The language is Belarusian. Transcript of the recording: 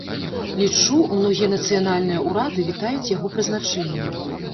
Лічу, многія нацыянальныя ўрады вітаюць яго прызначэнне.